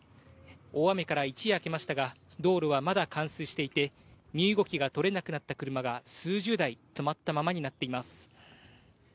大雨から一夜明けましたが、道路はまだ冠水していて、身動きが取れなくなった車が数十台止まったままになっています。